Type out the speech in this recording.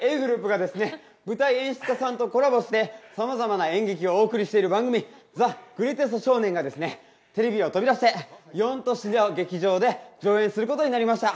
ｇｒｏｕｐがですね、舞台演出家さんとコラボしてさまざまな演劇をお送りしている番組「ＴＨＥＧＲＥＡＴＥＳＴＳＨＯＷ−ＮＥＮ」がテレビを飛び出して４都市の劇場で上演することになりました。